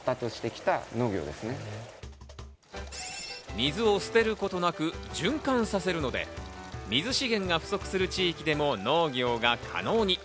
水を捨てることなく循環させるので、水資源が不足する地域でも農業が可能に。